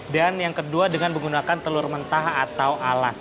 dan yang kedua dengan menggunakan telur mentah atau alas